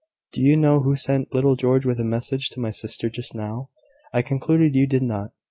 Do you know who sent little George with a message to my sister just now? I concluded you did not.